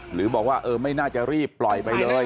หรือบอกว่าเออไม่น่าจะรีบปล่อยไปเลย